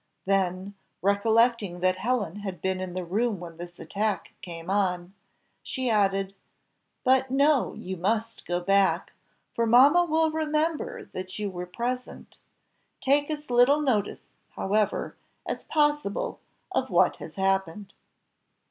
Then, recollecting that Helen had been in the room when this attack came on, she added "But no, you must go back, for mamma will remember that you were present take as little notice, however, as possible of what has happened."